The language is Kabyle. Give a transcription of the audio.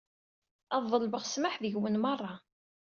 Ad ḍelbeɣ ssmaḥ seg-wen merra.